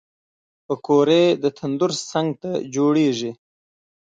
پکورې د تندور څنګ ته جوړېږي